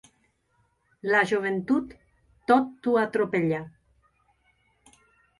La joventut tot ho atropella.